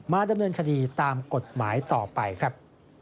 ดำเนินคดีตามกฎหมายต่อไปครับ